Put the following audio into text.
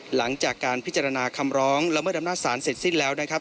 หลังจากการพิจารณาคำร้องละเมิดดำนาจศาลเสร็จสิ้นแล้วนะครับ